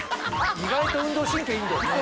意外と運動神経いいんだよね。